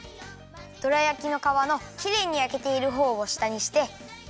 どら焼きのかわのきれいにやけているほうをしたにして。